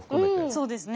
そうですね。